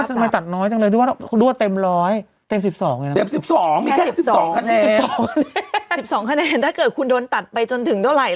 ดูว่าทำไมตัดน้อยจังเลยด้วนเต็มร้อยเต็ม๑๒เนี่ย